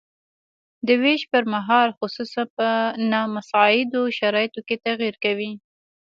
د ویش پرمهال خصوصاً په نامساعدو شرایطو کې تغیر کوي.